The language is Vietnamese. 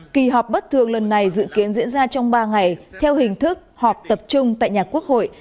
kỳ họp bất thường lần này dự kiến diễn ra trong ba ngày theo hình thức họp tập trung tại nhà quốc hội